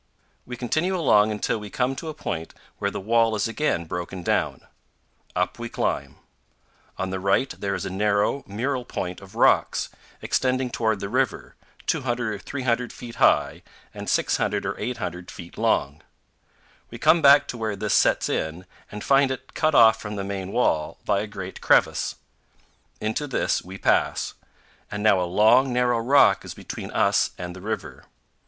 We continue along until we come to a point where the wall is again broken down. Up we climb. On the right there is a narrow, mural point 212 2 CANYONS OF THE COLORADO. of rocks, extending toward the river, 200 or 300 feet high and 600 or 800 feet long. We come back to where this sets in and find it cut off from the main wall by a great crevice. Into this we pass; and now a long, narrow rock is between us and the river.